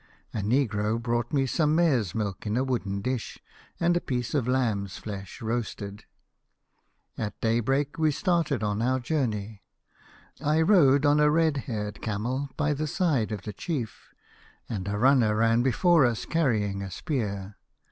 A negro brought me some mare's milk in a wooden dish, and a piece of lamb's flesh roasted. 88 . The Fisherman and Ins Soul. " At daybreak we started on our journey. I rode on a red haired camel by the side of the chief, and a runner ran before us carrying a spear.